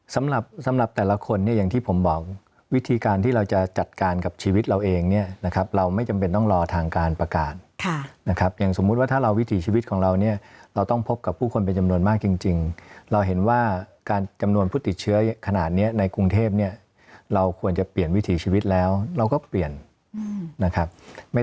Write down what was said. สำหรับสำหรับแต่ละคนเนี่ยอย่างที่ผมบอกวิธีการที่เราจะจัดการกับชีวิตเราเองเนี่ยนะครับเราไม่จำเป็นต้องรอทางการประกาศนะครับอย่างสมมุติว่าถ้าเราวิถีชีวิตของเราเนี่ยเราต้องพบกับผู้คนเป็นจำนวนมากจริงเราเห็นว่าการจำนวนผู้ติดเชื้อขนาดนี้ในกรุงเทพเนี่ยเราควรจะเปลี่ยนวิถีชีวิตแล้วเราก็เปลี่ยนนะครับไม่